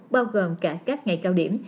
bao gồm cả các ngày cao điểm